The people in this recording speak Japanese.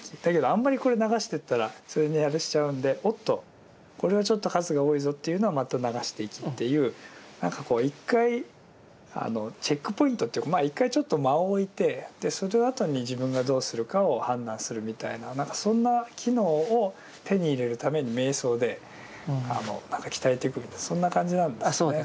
あんまりこれ流してったらそれにあれしちゃうんでおっとこれはちょっと数が多いぞっていうのはまた流していきっていう何か一回チェックポイントっていうか一回ちょっと間を置いてそのあとに自分がどうするかを判断するみたいなそんな機能を手に入れるために瞑想で鍛えていくみたいなそんな感じなんですね。